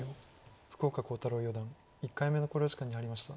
福岡航太朗四段１回目の考慮時間に入りました。